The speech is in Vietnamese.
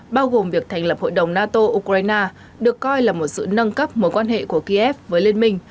bao gồm việc thành lập hội đồng nato ukraine được coi là một sự nâng cấp mối quan hệ của kiev với liên minh